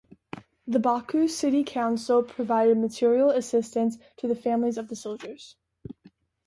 The Baku city Council provided material assistance to the families of the soldiers.